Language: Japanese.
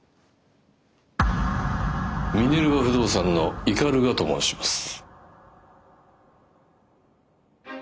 ミネルヴァ不動産の鵤と申します。